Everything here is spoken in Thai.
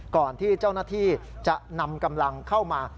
ก่อนที่เจ้าหน้าที่จะนำกำลังเข้ามา